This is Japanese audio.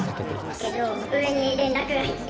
けど上に連絡が行って。